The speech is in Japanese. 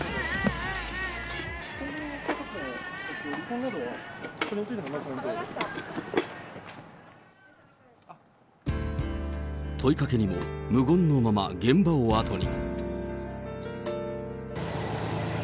離婚報道は、問いかけにも無言のまま、現場を後に。